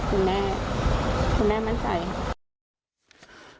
คุณแม่มั่นใจครับ